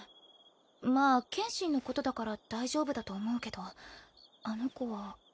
まあ剣心のことだから大丈夫だと思うけどあの子は。